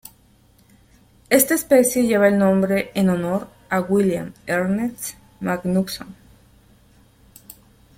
Esta especie lleva el nombre en honor a William Ernest Magnusson.